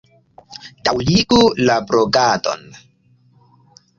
Daŭrigu la blogadon!